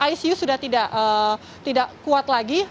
icu sudah tidak kuat lagi